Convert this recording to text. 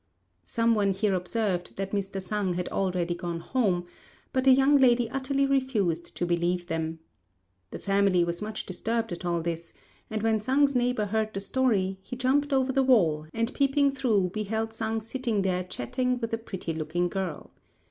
Some one here observed, that Mr. Sang had already gone home, but the young lady utterly refused to believe them. The family was much disturbed at all this; and when Sang's neighbour heard the story, he jumped over the wall, and peeping through beheld Sang sitting there chatting with a pretty looking girl.